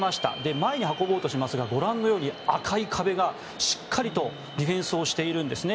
前に運ぼうとしますがご覧のように、赤い壁がしっかりディフェンスをしているんですね。